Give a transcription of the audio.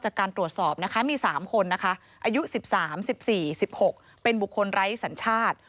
จากการตรวจสอบนะคะมี๓คนนะคะอายุ๑๓๑๔๑๖เป็นบุคคลไร้สัญชาติ